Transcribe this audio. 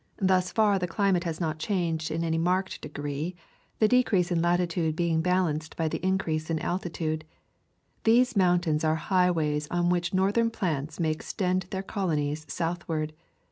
Thus far the climate has not changed in any marked degree, the decrease in latitude being balanced by the in crease in altitude. These mountains are high ways on which northern plants may extend their colonies southward.